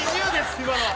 今のは。